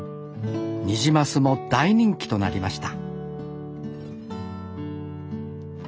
ニジマスも大人気となりました